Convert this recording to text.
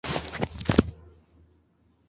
圣瓦利耶德蒂耶伊人口变化图示